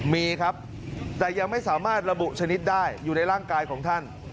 มีครับแต่ยังไม่สามารถระบุชนิดได้อยู่ในร่างกายของท่าน